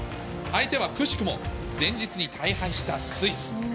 相手はくしくも、前日に大敗したスイス。